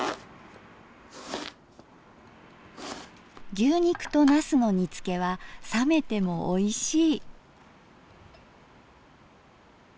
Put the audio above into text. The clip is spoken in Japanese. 牛肉となすの煮つけは冷めてもおいしい。